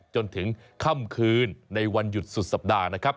จนถึงค่ำคืนในวันหยุดสุดสัปดาห์นะครับ